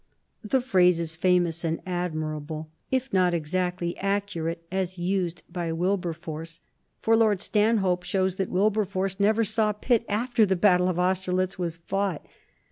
The phrase is famous and admirable, if not exactly accurate as used by Wilberforce, for Lord Stanhope shows that Wilberforce never saw Pitt after the battle of Austerlitz was fought.